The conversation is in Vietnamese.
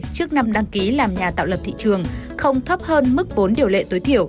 trước năm đăng ký làm nhà tạo lập thị trường không thấp hơn mức vốn điều lệ tối thiểu